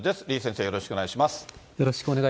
李先生、よろしくお願いします。